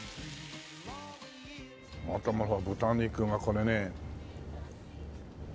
また豚肉がこれね。